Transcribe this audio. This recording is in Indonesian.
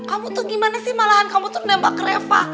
kamu tuh gimana sih malahan kamu tuh nembak kereta